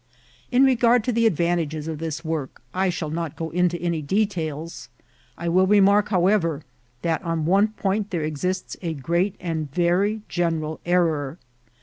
In regard to the advantages of this w<wk I riiall not go into any details ; I will remark, however, that on one point there exists a great and very general er ror.